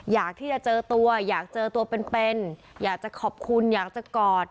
อยากที่จะเจอตัวอยากเจอตัวเป็นอยากจะขอบคุณอยากจะกอด